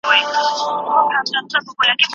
واسطه او رشوت هلته ځای نلري.